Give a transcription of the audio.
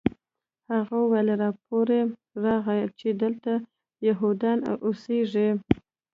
هغه وویل راپور راغلی چې دلته یهودان اوسیږي